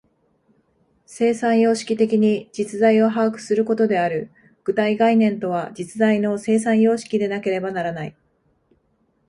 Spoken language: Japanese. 生産様式的に実在を把握することである。具体概念とは、実在の生産様式でなければならない。